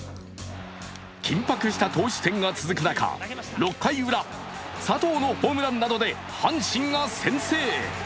緊迫した投手戦が続く中、６回ウラ佐藤のホームランなどで阪神が先制。